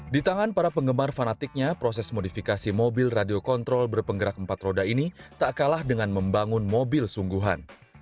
di tangan para penggemar fanatiknya proses modifikasi mobil radio kontrol berpenggerak empat roda ini tak kalah dengan membangun mobil sungguhan